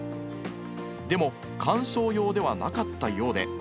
でも、観賞用ではなかったようで。